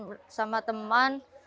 suka berkelahi nakal suka main sama teman